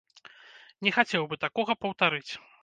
Не хацеў бы такога паўтарыць.